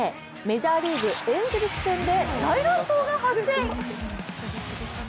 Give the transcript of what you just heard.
メジャーリーグ、エンゼルス戦で大乱闘が発生。